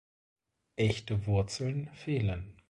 Echte Wurzeln fehlen.